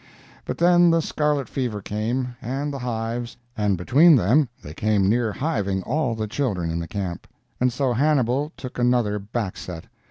But then the scarlet fever came, and the hives, and between them they came near hiving all the children in the camp. And so Hannibal took another back set.